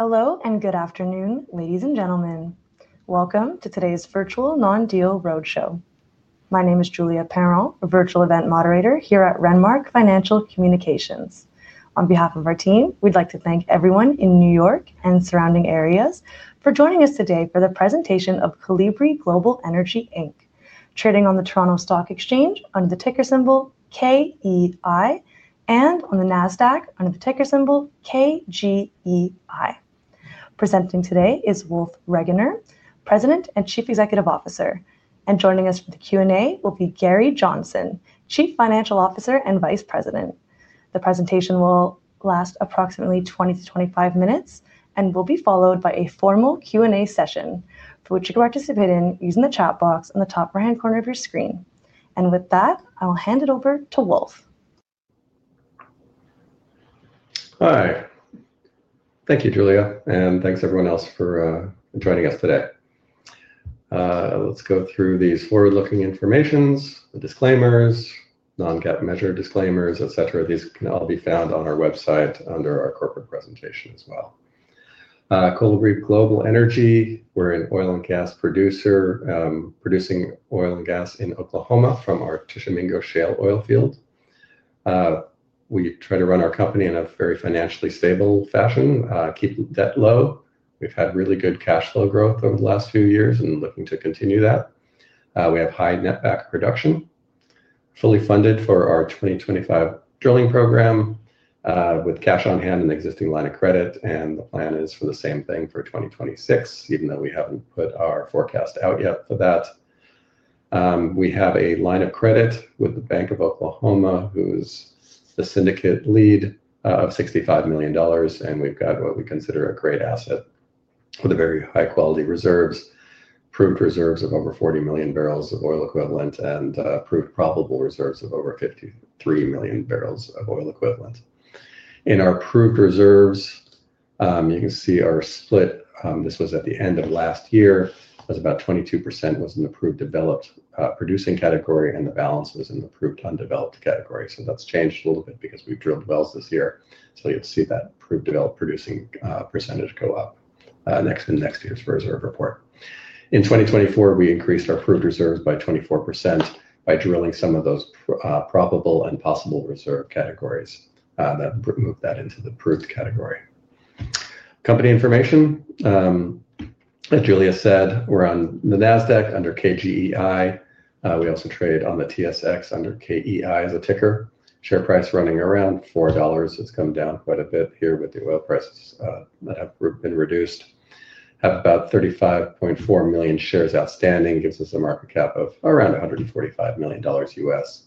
Hello and good afternoon, ladies and gentlemen. Welcome to today's virtual non-deal roadshow. My name is Julia Perron, a virtual event moderator here at Renmark Financial Communications. On behalf of our team, we'd like to thank everyone in New York and surrounding areas for joining us today for the presentation of Kolibri Global Energy, trading on the Toronto Stock Exchange under the ticker symbol KEI and on the NASDAQ under the ticker symbol KGEI. Presenting today is Wolf Regener, President and Chief Executive Officer. Joining us for the Q&A will be Gary Johnson, Chief Financial Officer and Vice President. The presentation will last approximately 20 to 25 minutes and will be followed by a formal Q&A session for which you can participate in using the chat box in the top right-hand corner of your screen. With that, I will hand it over to Wolf. Hi. Thank you, Julia, and thanks everyone else for joining us today. Let's go through these forward-looking informations, the disclaimers, non-GAAP measure disclaimers, et cetera. These can all be found on our website under our corporate presentation as well. Kolibri Global Energy, we're an oil and gas producer, producing oil and gas in Oklahoma from our Tishomingo Shale Oil Field. We try to run our company in a very financially stable fashion, keep debt low. We've had really good cash flow growth over the last few years and looking to continue that. We have high netback production, fully funded for our 2025 drilling program with cash on hand in the existing line of credit. The plan is for the same thing for 2026, even though we haven't put our forecast out yet for that. We have a line of credit with the Bank of Oklahoma, who's the syndicate lead of $65 million. We have what we consider a great asset with very high-quality reserves, proved reserves of over 40 million barrels of oil equivalent, and proved probable reserves of over 53 million barrels of oil equivalent. In our proved reserves, you can see our split. This was at the end of last year. About 22% was in the proved developed producing category, and the balance was in the proved undeveloped category. That has changed a little bit because we have drilled wells this year. You will see that proved developed producing percentage go up in next year's reserve report. In 2024, we increased our proved reserves by 24% by drilling some of those probable and possible reserve categories that move that into the proved category. Company information, as Julia said, we're on the NASDAQ under KGEI. We also trade on the TSX under KEI as a ticker. Share price running around $4. It's come down quite a bit here with the oil prices that have been reduced. Have about 35.4 million shares outstanding, gives us a market cap of around $145 million US.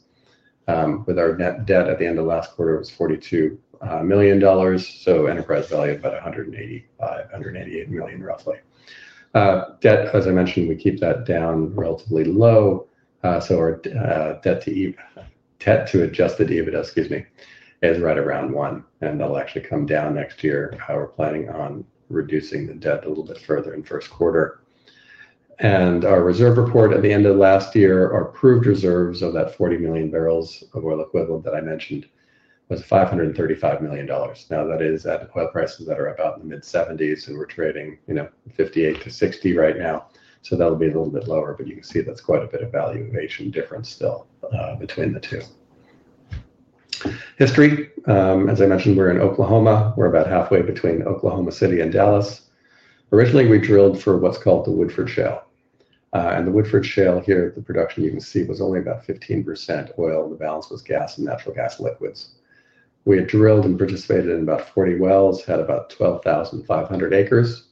With our net debt at the end of last quarter, it was $42 million. So enterprise value about $188 million, roughly. Debt, as I mentioned, we keep that down relatively low. Our debt to adjusted EBITDA, excuse me, is right around one. That'll actually come down next year. We're planning on reducing the debt a little bit further in first quarter. Our reserve report at the end of last year, our proved reserves of that 40 million barrels of oil equivalent that I mentioned was $535 million. Now that is at oil prices that are about in the mid-70s, and we're trading 58-60 right now. That'll be a little bit lower, but you can see that's quite a bit of valuation difference still between the two. History, as I mentioned, we're in Oklahoma. We're about halfway between Oklahoma City and Dallas. Originally, we drilled for what's called the Woodford Shale. The Woodford Shale here, the production you can see, was only about 15% oil. The balance was gas and natural gas liquids. We had drilled and participated in about 40 wells, had about 12,500 acres.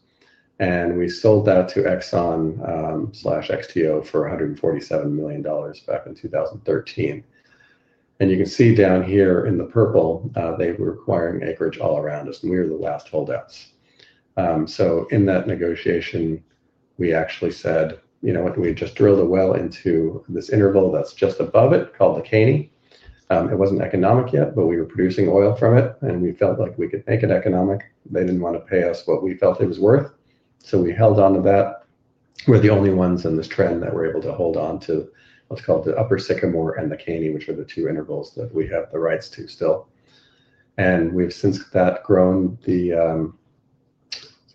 We sold that to Exxon/XTO for $147 million back in 2013. You can see down here in the purple, they were acquiring acreage all around us, and we were the last holdouts. In that negotiation, we actually said, you know what, we just drilled a well into this interval that's just above it called the Caney. It wasn't economic yet, but we were producing oil from it, and we felt like we could make it economic. They didn't want to pay us what we felt it was worth. We held on to that. We're the only ones in this trend that were able to hold on to what's called the Upper Sycamore and the Caney, which are the two intervals that we have the rights to still. We've since grown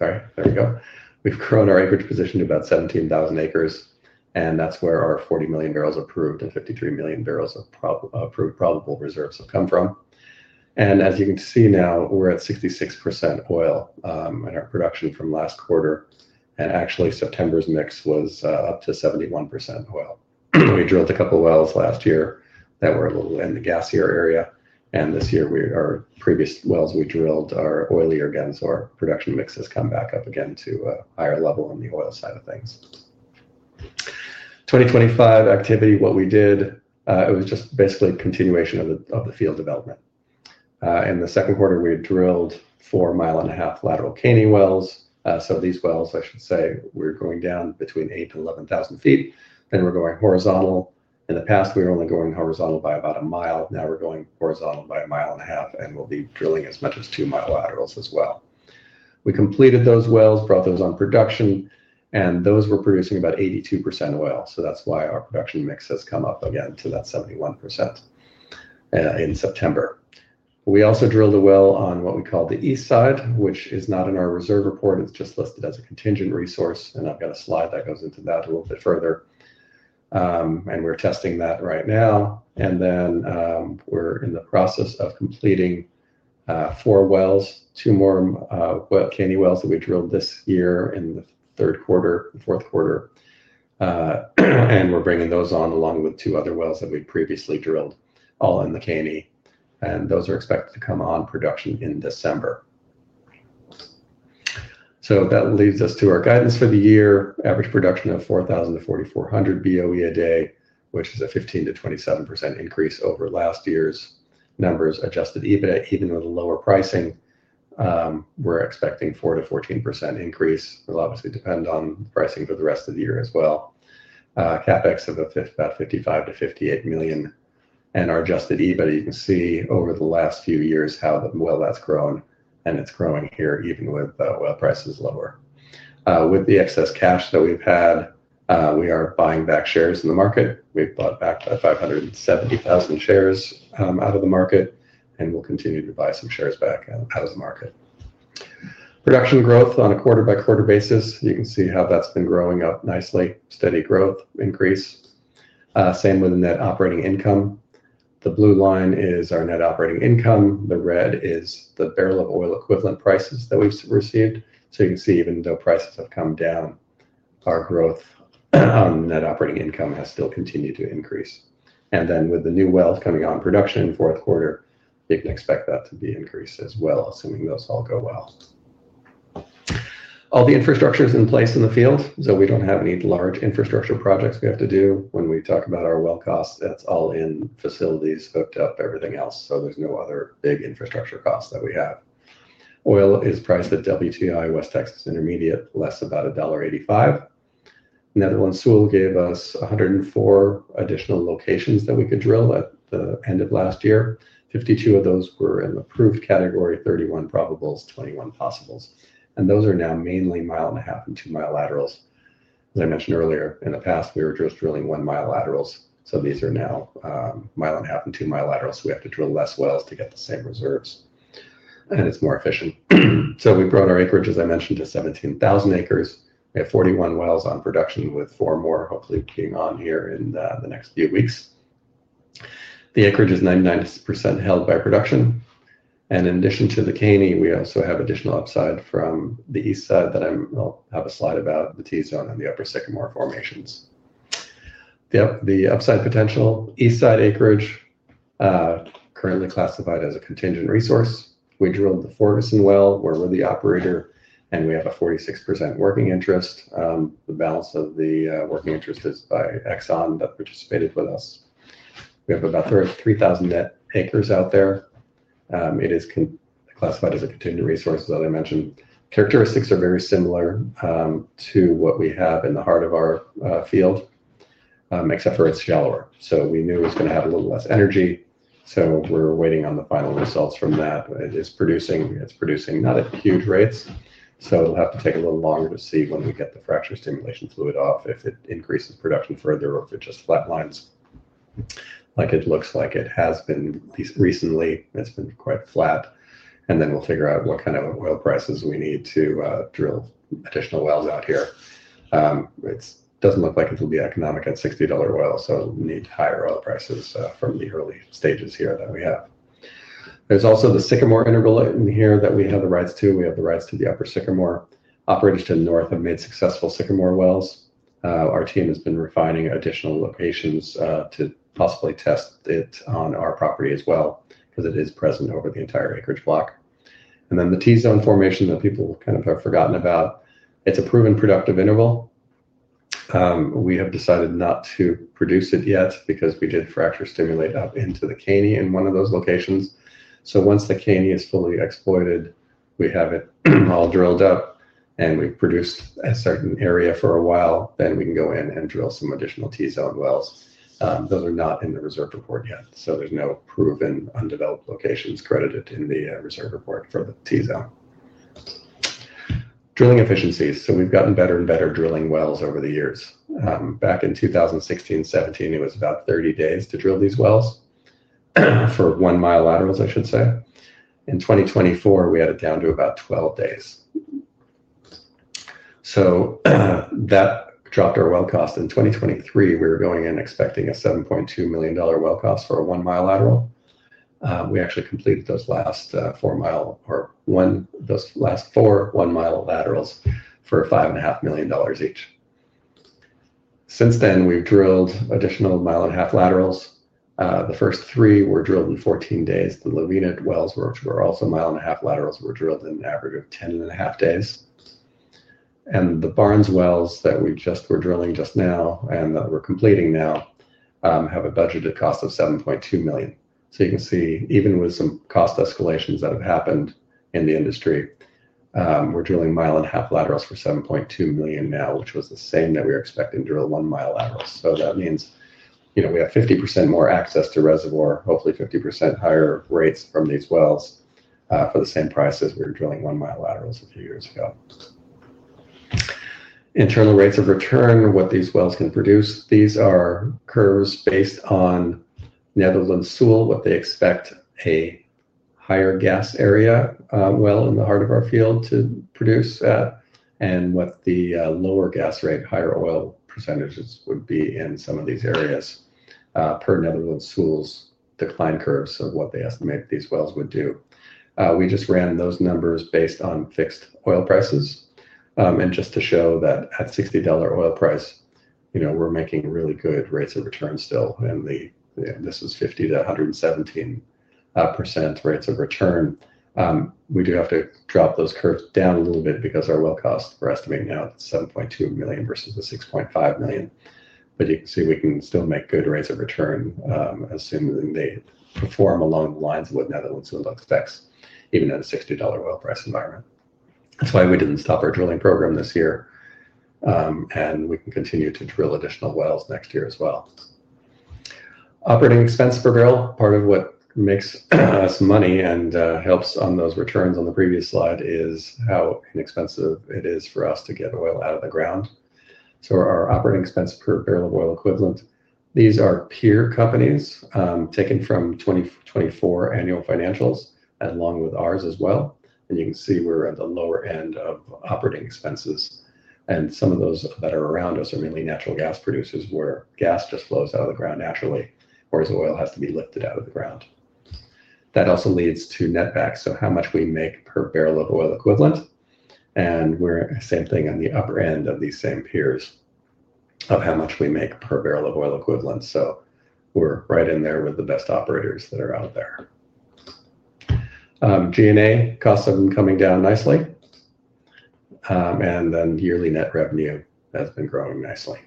our acreage position to about 17,000 acres. That's where our 40 million barrels of proved and 53 million barrels of probable reserves have come from. As you can see now, we're at 66% oil in our production from last quarter. Actually, September's mix was up to 71% oil. We drilled a couple of wells last year that were a little in the gassier area. This year, our previous wells we drilled are oilier again. Our production mix has come back up again to a higher level on the oil side of things. 2025 activity, what we did, it was just basically a continuation of the field development. In the second quarter, we had drilled four mile and a half lateral Caney wells. These wells, I should say, we're going down between 8,000-11,000 feet. We're going horizontal. In the past, we were only going horizontal by about a mile. Now we're going horizontal by a mile and a half, and we'll be drilling as much as two mi laterals as well. We completed those wells, brought those on production, and those were producing about 82% oil. That is why our production mix has come up again to that 71% in September. We also drilled a well on what we call the east side, which is not in our reserve report. It is just listed as a contingent resource. I have got a slide that goes into that a little bit further. We are testing that right now. We are in the process of completing four wells, two more Caney wells that we drilled this year in the third quarter, fourth quarter. We are bringing those on along with two other wells that we previously drilled, all in the Caney. Those are expected to come on production in December. That leads us to our guidance for the year, average production of 4,000-4,400 BOE a day, which is a 15%-27% increase over last year's numbers, adjusted EBITDA, even with lower pricing. We're expecting 4%-14% increase. We'll obviously depend on pricing for the rest of the year as well. CapEx of about 55 million-58 million. Our adjusted EBITDA, you can see over the last few years how well that's grown. It's growing here, even with oil prices lower. With the excess cash that we've had, we are buying back shares in the market. We've bought back about 570,000 shares out of the market, and we'll continue to buy some shares back out of the market. Production growth on a quarter-by-quarter basis. You can see how that's been growing up nicely, steady growth increase. Same with net operating income. The blue line is our net operating income. The red is the barrel of oil equivalent prices that we've received. You can see even though prices have come down, our growth on net operating income has still continued to increase. With the new wells coming on production in fourth quarter, you can expect that to be increased as well, assuming those all go well. All the infrastructure is in place in the field. We do not have any large infrastructure projects we have to do. When we talk about our well costs, that's all in facilities hooked up, everything else. There are no other big infrastructure costs that we have. Oil is priced at WTI, West Texas Intermediate, less about $1.85. Netherland, Sewell & Associates gave us 104 additional locations that we could drill at the end of last year. 52 of those were in the proved category, 31 probables, 21 possibles. Those are now mainly mile and a half and two mile laterals. As I mentioned earlier, in the past, we were just drilling one mile laterals. These are now mile and a half and two mile laterals. We have to drill fewer wells to get the same reserves. It is more efficient. We brought our acreage, as I mentioned, to 17,000 acres. We have 41 wells on production with four more hopefully being on here in the next few weeks. The acreage is 99% held by production. In addition to the Caney, we also have additional upside from the east side that I will have a slide about, the T Zone and the Upper Sycamore formations. The upside potential, east side acreage, is currently classified as a contingent resource. We drilled the Ferguson well where we're the operator, and we have a 46% working interest. The balance of the working interest is by Exxon that participated with us. We have about 3,000 net acres out there. It is classified as a contingent resource, as I mentioned. Characteristics are very similar to what we have in the heart of our field, except for it's shallower. We knew it was going to have a little less energy. We're waiting on the final results from that. It's producing not at huge rates. It will have to take a little longer to see when we get the fracture stimulation fluid off if it increases production further or if it just flatlines. Like it looks like it has been recently. It's been quite flat. We will figure out what kind of oil prices we need to drill additional wells out here. It doesn't look like it'll be economic at $60 oil. We'll need higher oil prices from the early stages here that we have. There's also the Sycamore interval in here that we have the rights to. We have the rights to the Upper Sycamore. Operators to the north have made successful Sycamore wells. Our team has been refining additional locations to possibly test it on our property as well because it is present over the entire acreage block. The T Zone formation that people kind of have forgotten about is a proven productive interval. We have decided not to produce it yet because we did fracture stimulate up into the Caney in one of those locations. Once the Caney is fully exploited, we have it all drilled up and we have produced a certain area for a while, then we can go in and drill some additional T Zone wells. Those are not in the reserve report yet. There are no proved undeveloped locations credited in the reserve report for the T Zone. Drilling efficiencies—we have gotten better and better drilling wells over the years. Back in 2016, 2017, it was about 30 days to drill these wells for one mile laterals, I should say. In 2024, we had it down to about 12 days. That dropped our well cost. In 2023, we were going in expecting a $7.2 million well cost for a one mile lateral. We actually completed those last four one mile laterals for $5.5 million each. Since then, we've drilled additional mile and a half laterals. The first three were drilled in 14 days. The Levinette wells, which were also mile and a half laterals, were drilled in an average of 10.5 days. The Barnes wells that we just were drilling just now and that we're completing now have a budgeted cost of 7.2 million. You can see, even with some cost escalations that have happened in the industry, we're drilling mile and a half laterals for 7.2 million now, which was the same that we were expecting to drill one mile laterals. That means we have 50% more access to reservoir, hopefully 50% higher rates from these wells for the same price as we were drilling one mile laterals a few years ago. Internal rates of return, what these wells can produce. These are curves based on Netherland, Sewell, what they expect a higher gas area well in the heart of our field to produce, and what the lower gas rate, higher oil percentages would be in some of these areas per Netherland, Sewell's decline curves of what they estimate these wells would do. We just ran those numbers based on fixed oil prices. Just to show that at $60 oil price, we're making really good rates of return still. This was 50-117% rates of return. We do have to drop those curves down a little bit because our well cost, we're estimating now at 7.2 million versus the 6.5 million. You can see we can still make good rates of return assuming they perform along the lines of what Netherland, Sewell expects, even at a $60 oil price environment. That's why we didn't stop our drilling program this year. We can continue to drill additional wells next year as well. Operating expense per barrel, part of what makes us money and helps on those returns on the previous slide, is how inexpensive it is for us to get oil out of the ground. Our operating expense per barrel of oil equivalent, these are peer companies taken from 2024 annual financials along with ours as well. You can see we're at the lower end of operating expenses. Some of those that are around us are mainly natural gas producers where gas just flows out of the ground naturally, whereas oil has to be lifted out of the ground. That also leads to netback, how much we make per barrel of oil equivalent. We're same thing on the upper end of these same peers of how much we make per barrel of oil equivalent. We're right in there with the best operators that are out there. G&A costs have been coming down nicely. Yearly net revenue has been growing nicely.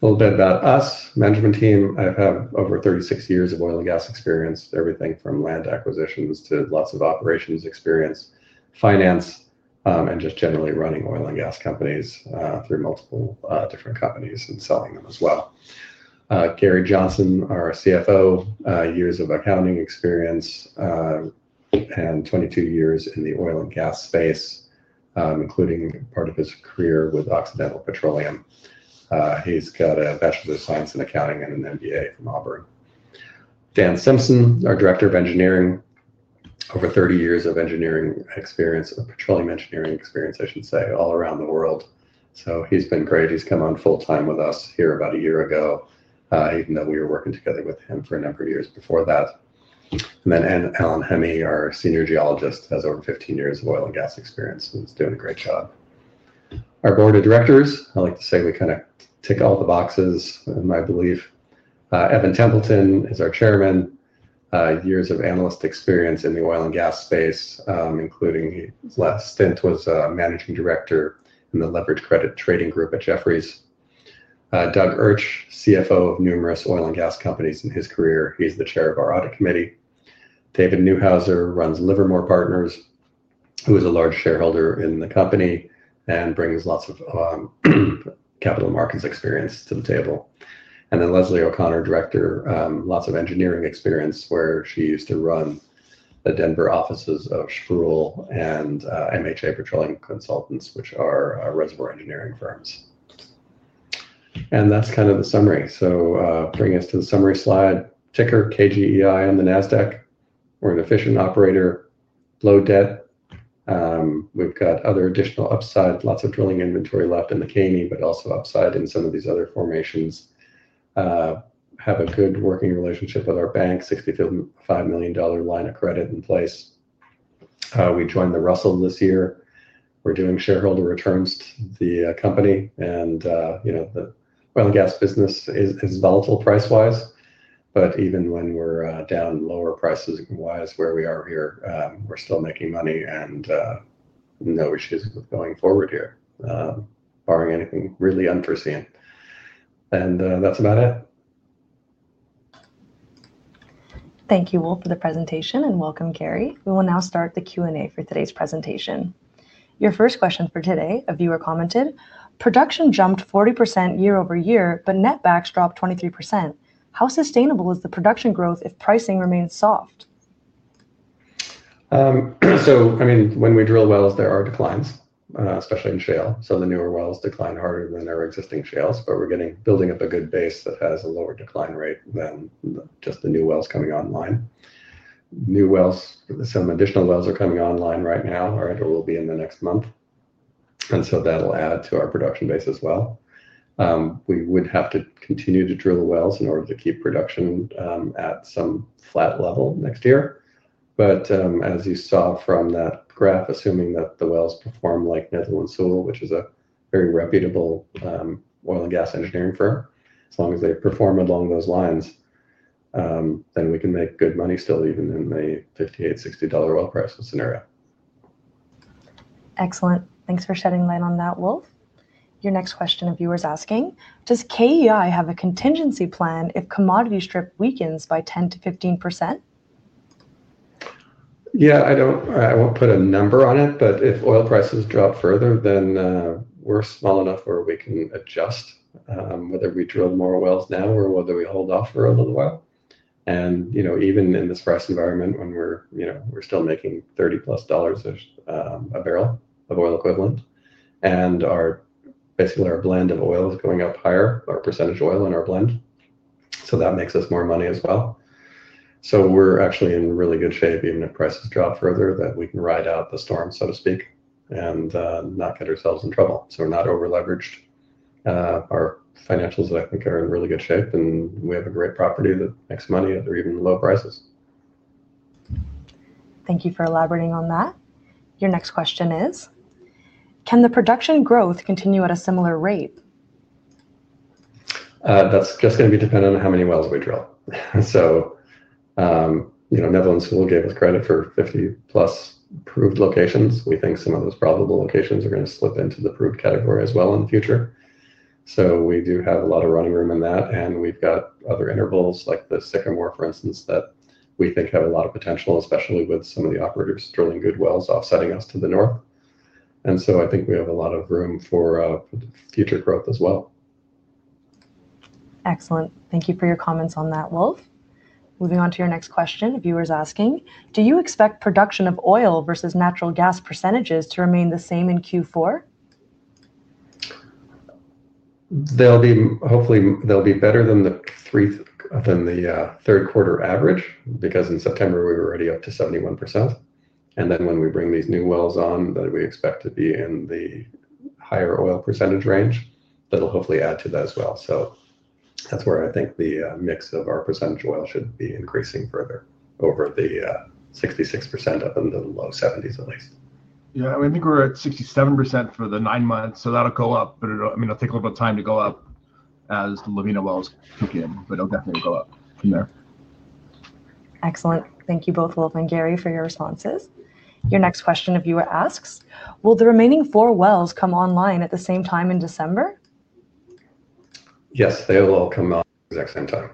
A little bit about us, management team. I have over 36 years of oil and gas experience, everything from land acquisitions to lots of operations experience, finance, and just generally running oil and gas companies through multiple different companies and selling them as well. Gary Johnson, our CFO, years of accounting experience and 22 years in the oil and gas space, including part of his career with Occidental Petroleum. He's got a Bachelor of Science in Accounting and an MBA from Auburn. Dan Simpson, our Director of Engineering, over 30 years of engineering experience, petroleum engineering experience, I should say, all around the world. He's been great. He's come on full-time with us here about a year ago, even though we were working together with him for a number of years before that. Alan Hemi, our Senior Geologist, has over 15 years of oil and gas experience and is doing a great job. Our board of directors, I like to say we kind of tick all the boxes in my belief. Evan Templeton is our Chairman, years of analyst experience in the oil and gas space, including last stint was Managing Director in the leverage credit trading group at Jefferies. Doug Erch, CFO of numerous oil and gas companies in his career, he's the Chair of our Audit Committee. David Neuhauser runs Livermore Partners, who is a large shareholder in the company and brings lots of capital markets experience to the table. Leslie O'Connor, director, lots of engineering experience where she used to run the Denver offices of Sproule and MHA Petroleum Consultants, which are reservoir engineering firms. That's kind of the summary. Bring us to the summary slide. Ticker KGEI on the NASDAQ. We're an efficient operator, low debt. We've got other additional upside, lots of drilling inventory left in the Caney, but also upside in some of these other formations. Have a good working relationship with our bank, $65 million line of credit in place. We joined the Russell this year. We're doing shareholder returns to the company. The oil and gas business is volatile price-wise. Even when we are down lower prices-wise where we are here, we are still making money and no issues with going forward here, barring anything really unforeseen. That is about it. Thank you all for the presentation and welcome, Gary. We will now start the Q&A for today's presentation. Your first question for today, a viewer commented, "Production jumped 40% year over year, but netbacks dropped 23%. How sustainable is the production growth if pricing remains soft?" I mean, when we drill wells, there are declines, especially in shale. The newer wells decline harder than our existing shales, but we are building up a good base that has a lower decline rate than just the new wells coming online. New wells, some additional wells are coming online right now or will be in the next month. That will add to our production base as well. We would have to continue to drill wells in order to keep production at some flat level next year. As you saw from that graph, assuming that the wells perform like Netherland, Sewell, which is a very reputable oil and gas engineering firm, as long as they perform along those lines, then we can make good money still even in the $58, $60 oil price scenario. Excellent. Thanks for shedding light on that, Wolf. Your next question, a viewer is asking, "Does KEI have a contingency plan if commodity strip weakens by 10-15%?" Yeah, I won't put a number on it, but if oil prices drop further, then we're small enough where we can adjust whether we drill more wells now or whether we hold off for a little while. Even in this price environment, when we're still making $30 plus a barrel of oil equivalent, and basically our blend of oil is going up higher, our percentage oil in our blend, so that makes us more money as well. We're actually in really good shape even if prices drop further that we can ride out the storm, so to speak, and not get ourselves in trouble. We're not over-leveraged. Our financials, I think, are in really good shape, and we have a great property that makes money at even low prices. Thank you for elaborating on that. Your next question is, "Can the production growth continue at a similar rate?" That's just going to be dependent on how many wells we drill. So Netherland, Sewell & Associates gave us credit for 50-plus proved locations. We think some of those probable locations are going to slip into the proved category as well in the future. We do have a lot of running room in that. We have got other intervals like the Sycamore, for instance, that we think have a lot of potential, especially with some of the operators drilling good wells offsetting us to the north. I think we have a lot of room for future growth as well. Excellent. Thank you for your comments on that, Wolf. Moving on to your next question, viewers asking, "Do you expect production of oil versus natural gas percentages to remain the same in Q4?" Hopefully, they will be better than the third-quarter average because in September, we were already up to 71%. Then when we bring these new wells on that we expect to be in the higher oil percentage range, that'll hopefully add to that as well. That is where I think the mix of our percentage oil should be increasing further over the 66% up into the low 70s at least. Yeah, I think we're at 67% for the nine months, so that'll go up. I mean, it'll take a little bit of time to go up as the Levinette wells kick in, but it'll definitely go up from there. Excellent. Thank you both, Wolf and Gary, for your responses. Your next question, a viewer asks, "Will the remaining four wells come online at the same time in December?" Yes, they will all come on at the exact same time.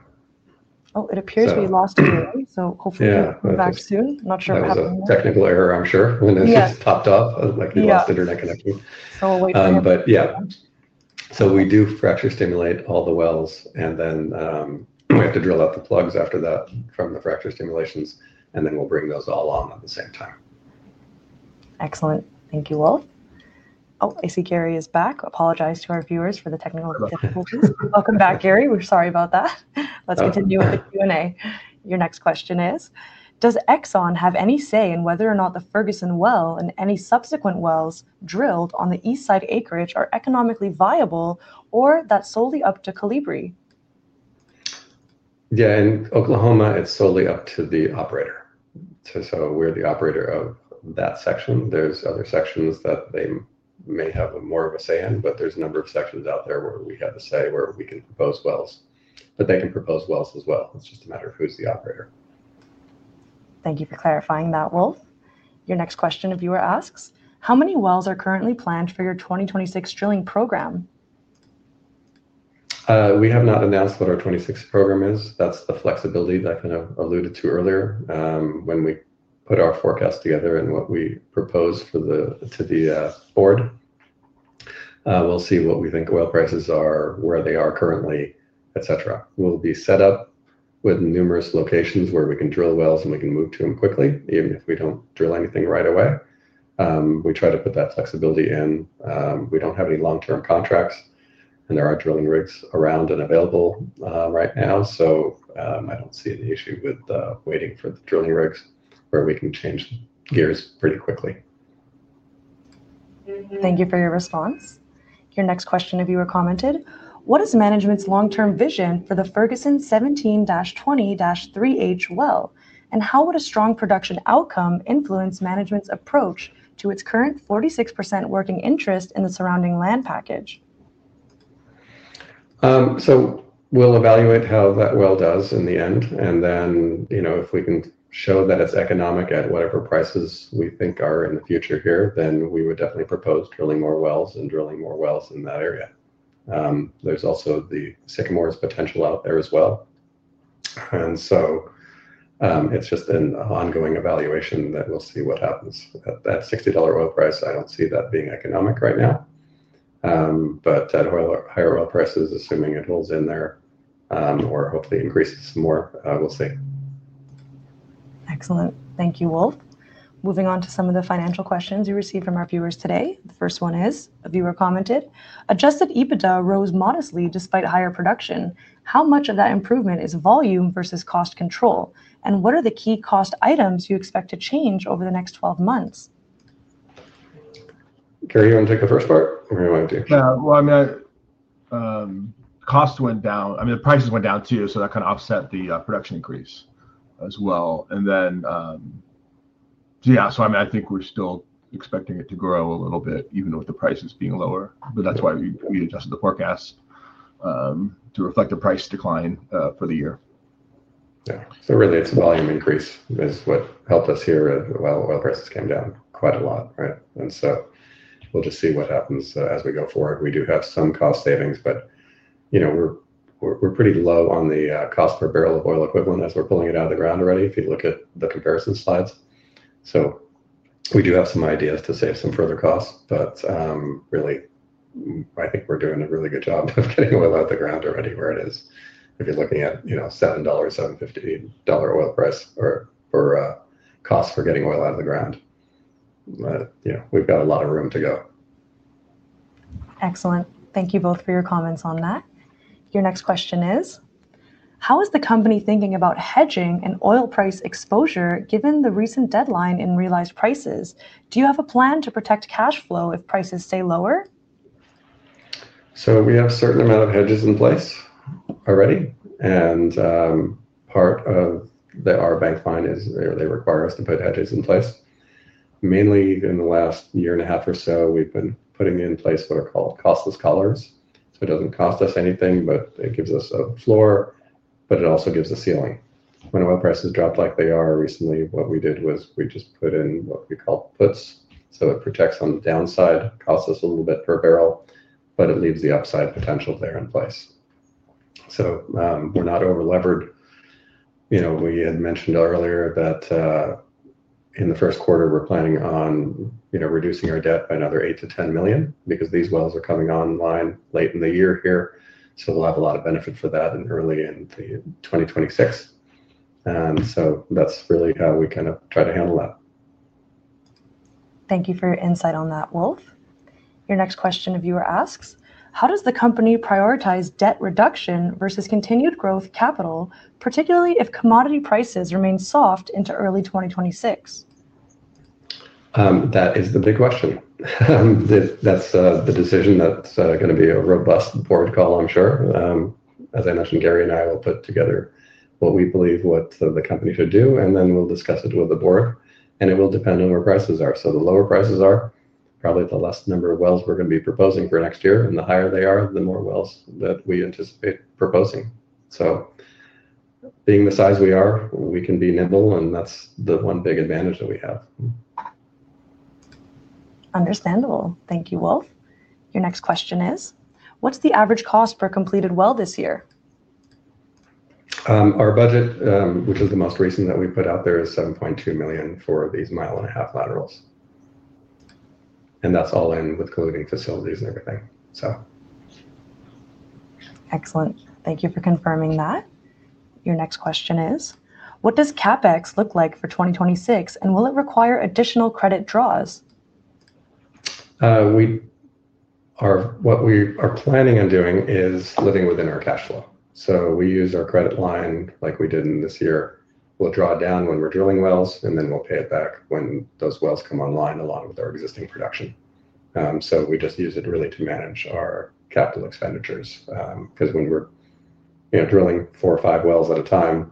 Oh, it appears we lost you, so hopefully we'll be back soon. I'm not sure what happened. Technical error, I'm sure. When it just popped off, like we lost internet connection. But yeah. So we do fracture stimulate all the wells, and then we have to drill out the plugs after that from the fracture stimulations, and then we'll bring those all on at the same time. Excellent. Thank you, Wolf. Oh, I see Gary is back. Apologize to our viewers for the technical difficulties. Welcome back, Gary. We're sorry about that. Let's continue with the Q&A. Your next question is, "Does Exxon have any say in whether or not the Ferguson well and any subsequent wells drilled on the east side acreage are economically viable or that's solely up to Kolibri?" Yeah, in Oklahoma, it's solely up to the operator. So we're the operator of that section. are other sections that they may have more of a say in, but there are a number of sections out there where we have a say where we can propose wells. They can propose wells as well. It is just a matter of who is the operator. Thank you for clarifying that, Wolf. Your next question, a viewer asks, "How many wells are currently planned for your 2026 drilling program?" We have not announced what our 2026 program is. That is the flexibility that I kind of alluded to earlier when we put our forecast together and what we propose to the board. We will see what we think oil prices are, where they are currently, etc. We will be set up with numerous locations where we can drill wells and we can move to them quickly, even if we do not drill anything right away. We try to put that flexibility in. We don't have any long-term contracts, and there are drilling rigs around and available right now. I don't see any issue with waiting for the drilling rigs where we can change gears pretty quickly. Thank you for your response. Your next question, a viewer commented, "What is management's long-term vision for the Ferguson 17-20-3H well? And how would a strong production outcome influence management's approach to its current 46% working interest in the surrounding land package?" We will evaluate how that well does in the end. If we can show that it's economic at whatever prices we think are in the future here, then we would definitely propose drilling more wells and drilling more wells in that area. There is also the Sycamore's potential out there as well. It is just an ongoing evaluation that we will see what happens. At that $60 oil price, I do not see that being economic right now. But at higher oil prices, assuming it holds in there or hopefully increases some more, we will see. Excellent. Thank you, Wolf. Moving on to some of the financial questions we received from our viewers today. The first one is, a viewer commented, "Adjusted EBITDA rose modestly despite higher production. How much of that improvement is volume versus cost control? And what are the key cost items you expect to change over the next 12 months?" Gary, you want to take the first part or do you want to? I mean, cost went down. I mean, the prices went down too, so that kind of offset the production increase as well. I think we are still expecting it to grow a little bit even with the prices being lower. That is why we adjusted the forecast to the price decline for the year. Yeah. Really, it is a volume increase that helped us here while oil prices came down quite a lot, right? We will just see what happens as we go forward. We do have some cost savings, but we are pretty low on the cost per barrel of oil equivalent as we are pulling it out of the ground already if you look at the comparison slides. We do have some ideas to save some further costs, but really, I think we are doing a really good job of getting oil out of the ground already where it is. If you are looking at $7-$7.50 oil price or cost for getting oil out of the ground, we have got a lot of room to go. Excellent. Thank you both for your comments on that. Your next question is, "How is the company thinking about hedging and oil price exposure given the recent deadline in realized prices? Do you have a plan to protect cash flow if prices stay lower?" We have a certain amount of hedges in place already. Part of our bank line is they require us to put hedges in place. Mainly in the last year and a half or so, we've been putting in place what are called costless collars. It does not cost us anything, but it gives us a floor, but it also gives a ceiling. When oil prices dropped like they are recently, what we did was we just put in what we call puts. It protects on the downside, costs us a little bit per barrel, but it leaves the upside potential there in place. We are not over-levered. We had mentioned earlier that in the first quarter, we're planning on reducing our debt by another $8 million-$10 million because these wells are coming online late in the year here. We'll have a lot of benefit for that early in 2026. That is really how we kind of try to handle that. Thank you for your insight on that, Wolf. Your next question, a viewer asks, "How does the company prioritize debt reduction versus continued growth capital, particularly if commodity prices remain soft into early 2026?" That is the big question. That is the decision that is going to be a robust board call, I'm sure. As I mentioned, Gary and I will put together what we believe the company should do, and then we'll discuss it with the board. It will depend on where prices are. The lower prices are, probably the less number of wells we're going to be proposing for next year. The higher they are, the more wells that we anticipate proposing. Being the size we are, we can be nimble, and that's the one big advantage that we have. Understandable. Thank you, Wolf. Your next question is, "What's the average cost per completed well this year?" Our budget, which is the most recent that we put out there, is $7.2 million for these mile-and-a-half laterals. That's all in with including facilities and everything, so. Excellent. Thank you for confirming that. Your next question is, "What does CapEx look like for 2026, and will it require additional credit draws?" What we are planning on doing is living within our cash flow. We use our credit line like we did in this year. We'll draw down when we're drilling wells, and then we'll pay it back when those wells come online along with our existing production. We just use it really to manage our capital expenditures because when we're drilling four or five wells at a time,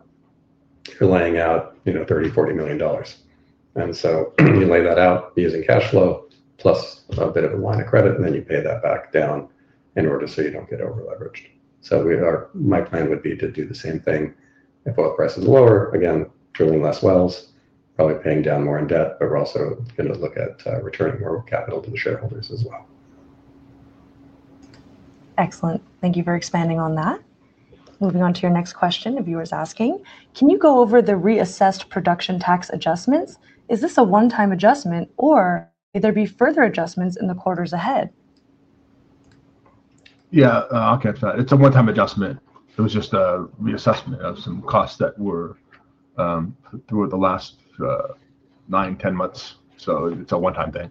you're laying out $30 million-$40 million. You lay that out using cash flow plus a bit of a line of credit, and then you pay that back down in order so you don't get over-leveraged. My plan would be to do the same thing if oil prices are lower. Again, drilling fewer wells, probably paying down more in debt, but we're also going to look at returning more capital to the shareholders as well. Excellent. Thank you for expanding on that. Moving on to your next question of viewers asking, "Can you go over the reassessed production tax adjustments? Is this a one-time adjustment, or will there be further adjustments in the quarters ahead? Yeah, I'll catch that. It's a one-time adjustment. It was just a reassessment of some costs that were through the last nine, ten months. So it's a one-time thing.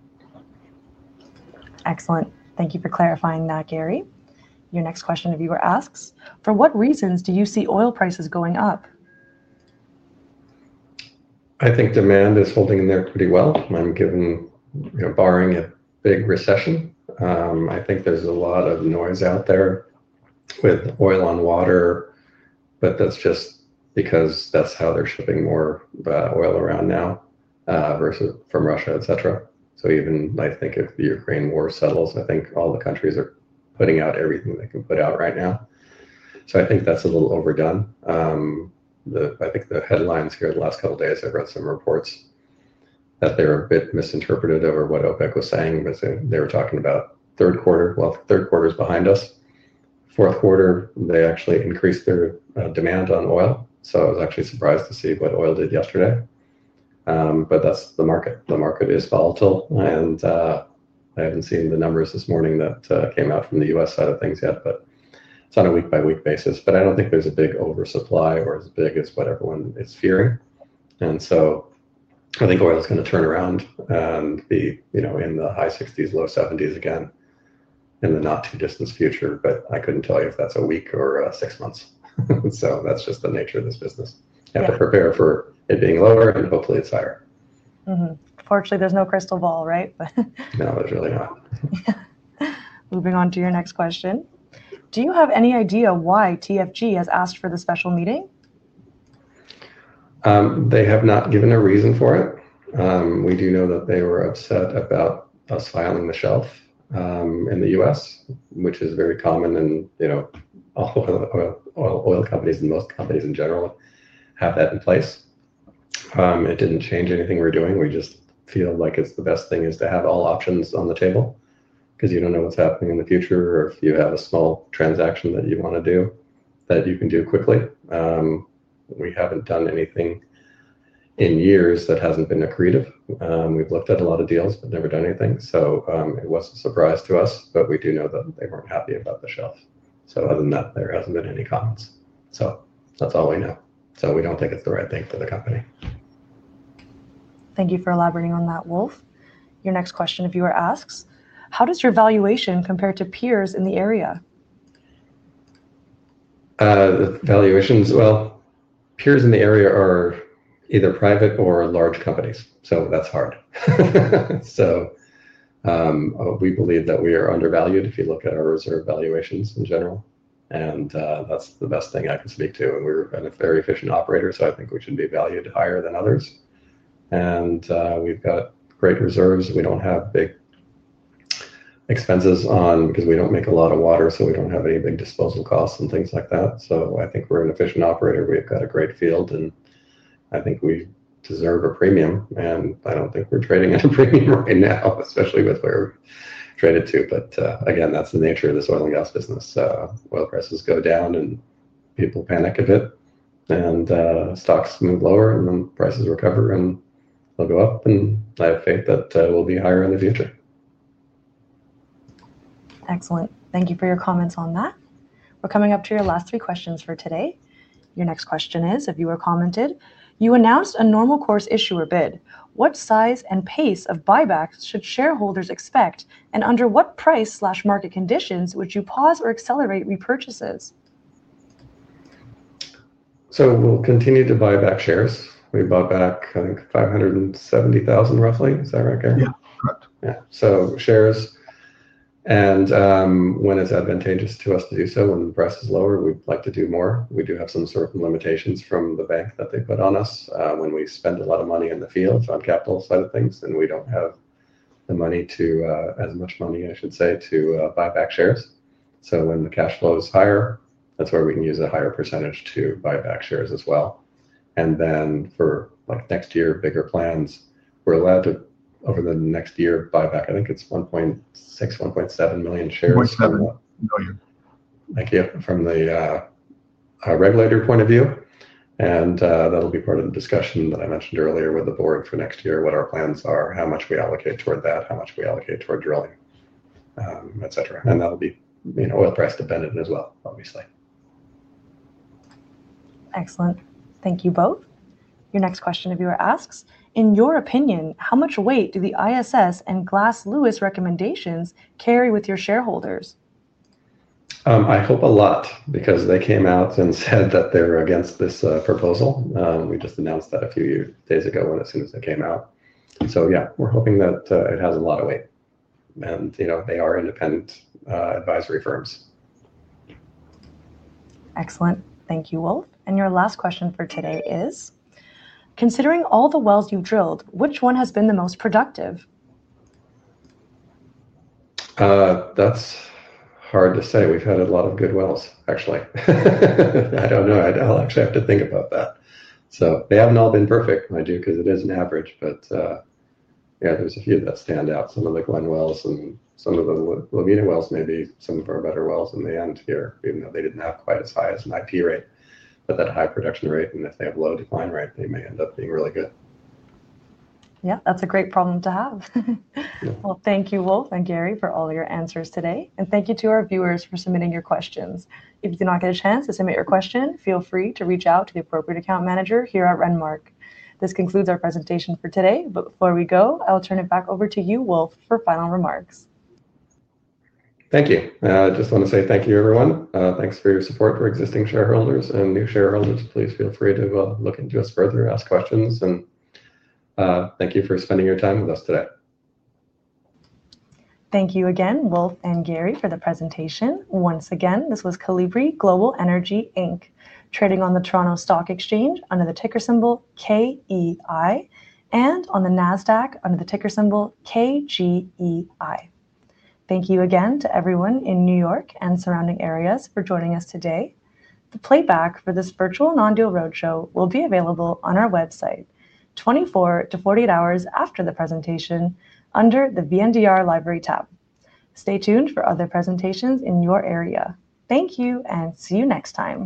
Excellent. Thank you for clarifying that, Gary. Your next question, a viewer asks, For what reasons do you see oil prices going up? I think demand is holding in there pretty well, given barring a big recession. I think there's a lot of noise out there with oil on water, but that's just because that's how they're shipping more oil around now from Russia, etc. Even if the Ukraine war settles, I think all the countries are putting out everything they can put out right now. I think that's a little overdone. I think the headlines here the last couple of days, I've read some reports that they were a bit misinterpreted over what OPEC was saying, but they were talking about third quarter. Third quarter is behind us. Fourth quarter, they actually increased their demand on oil. I was actually surprised to see what oil did yesterday. That is the market. The market is volatile. I haven't seen the numbers this morning that came out from the U.S. side of things yet, but it's on a week-by-week basis. I don't think there's a big oversupply or as big as what everyone is fearing. I think oil is going to turn around and be in the high 60s, low 70s again in the not-too-distant future. I couldn't tell you if that's a week or six months. That is just the nature of this business. You have to prepare for it being lower, and hopefully, it's higher. Fortunately, there's no crystal ball, right? No, there's really not. Moving on to your next question. Do you have any idea why TFG has asked for the special meeting? They have not given a reason for it. We do know that they were upset about us filing the shelf in the US, which is very common. All oil companies and most companies in general have that in place. It didn't change anything we're doing. We just feel like the best thing is to have all options on the table because you don't know what's happening in the future or if you have a small transaction that you want to do that you can do quickly. We haven't done anything in years that hasn't been accretive. We've looked at a lot of deals, but never done anything. It was a surprise to us, but we do know that they were not happy about the shelf. Other than that, there has not been any comments. That is all we know. We do not think it is the right thing for the company. Thank you for elaborating on that, Wolf. Your next question, a viewer asks, "How does your valuation compare to peers in the area?" Valuations, peers in the area are either private or large companies. That is hard. We believe that we are undervalued if you look at our reserve valuations in general. That is the best thing I can speak to. We are a very efficient operator, so I think we should be valued higher than others. We have great reserves. We don't have big expenses on because we don't make a lot of water, so we don't have any big disposal costs and things like that. I think we're an efficient operator. We've got a great field, and I think we deserve a premium. I don't think we're trading at a premium right now, especially with where we're traded to. That's the nature of this oil and gas business. Oil prices go down, and people panic a bit, and stocks move lower, and then prices recover, and they'll go up. I have faith that we'll be higher in the future. Excellent. Thank you for your comments on that. We're coming up to your last three questions for today. Your next question is, a viewer commented, "You announced a normal course issuer bid. What size and pace of buybacks should shareholders expect, and under what price/market conditions would you pause or accelerate repurchases? We will continue to buy back shares. We bought back, I think, 570,000 roughly. Is that right, Gary? Yeah. Correct. Yeah. So shares. When it is advantageous to us to do so, when the price is lower, we would like to do more. We do have some sort of limitations from the bank that they put on us. When we spend a lot of money in the field, on the capital side of things, then we do not have the money to, as much money, I should say, to buy back shares. When the cash flow is higher, that is where we can use a higher percentage to buy back shares as well. For next year, bigger plans, we're allowed to, over the next year, buy back, I think it's 1.6-1.7 million shares. 1.7 million from the regulator point of view. That will be part of the discussion that I mentioned earlier with the board for next year, what our plans are, how much we allocate toward that, how much we allocate toward drilling, etc. That will be oil price dependent as well, obviously. Excellent. Thank you both. Your next question, a viewer asks, "In your opinion, how much weight do the ISS and Glass Lewis recommendations carry with your shareholders?" I hope a lot because they came out and said that they were against this proposal. We just announced that a few days ago when it seems they came out. We are hoping that it has a lot of weight. They are independent advisory firms. Excellent. Thank you, Wolf. Your last question for today is, "Considering all the wells you've drilled, which one has been the most productive?" That's hard to say. We've had a lot of good wells, actually. I don't know. I'll actually have to think about that. They haven't all been perfect, mind you, because it is an average. Yeah, there's a few that stand out. Some of the Glenn wells and some of the Levina wells, maybe some of our better wells in the end here, even though they didn't have quite as high as an IP rate, but that high production rate. If they have low decline rate, they may end up being really good. Yeah, that's a great problem to have. Thank you, Wolf and Gary, for all your answers today. Thank you to our viewers for submitting your questions. If you did not get a chance to submit your question, feel free to reach out to the appropriate account manager here at Renmark. This concludes our presentation for today. Before we go, I'll turn it back over to you, Wolf, for final remarks. Thank you. I just want to say thank you, everyone. Thanks for your support for existing shareholders and new shareholders. Please feel free to look into us further, ask questions. Thank you for spending your time with us today. Thank you again, Wolf and Gary, for the presentation. Once again, this was Kolibri Global Energy, trading on the Toronto Stock Exchange under the ticker symbol KEI, and on the NASDAQ under the ticker symbol KGEI. Thank you again to everyone in New York and surrounding areas for joining us today. The playback for this virtual non-deal roadshow will be available on our website 24-48 hours after the presentation under the VNDR Library tab. Stay tuned for other presentations in your area. Thank you, and see you next time.